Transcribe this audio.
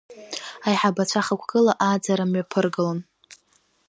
Аиҳабацәа хықәкыла ааӡара мҩаԥыргалон.